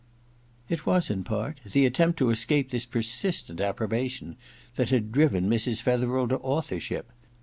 It was, in part, the attempt to escape this persistent approbation that had driven Mrs. Fetherel to authorship.